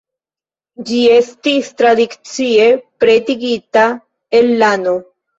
Ĝi estis tradicie pretigita el lano.